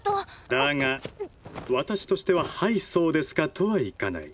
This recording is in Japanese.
だが私としてははいそうですかとはいかない。